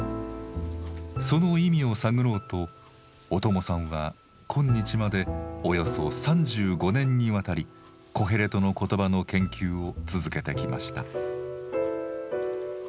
その意味を探ろうと小友さんは今日までおよそ３５年にわたり「コヘレトの言葉」の研究を続けてきました。